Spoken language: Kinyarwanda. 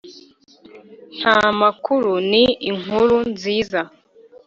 nta makuru ni inkuru nziza